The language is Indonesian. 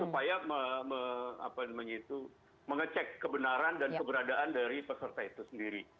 supaya mengecek kebenaran dan keberadaan dari peserta itu sendiri